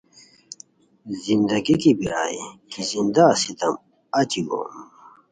زندگی کی بیرائے کی زندہ استیتام اچی گوم